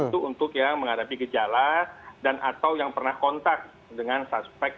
itu untuk yang menghadapi gejala dan atau yang pernah kontak dengan suspek